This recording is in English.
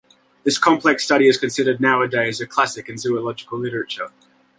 This complex study is considered, nowadays, a classic in zoological literature.